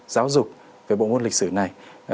giáo dục về bộ môn lịch sử này